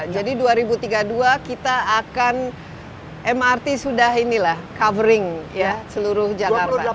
dua ribu tiga puluh dua jadi dua ribu tiga puluh dua kita akan mrt sudah ini lah covering ya seluruh jakarta